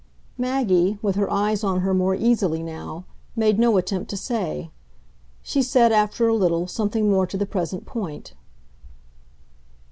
Maggie, with her eyes on her more easily now, made no attempt to say; she said, after a little, something more to the present point.